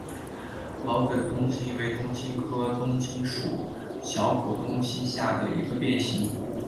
毛梗冬青为冬青科冬青属小果冬青下的一个变型。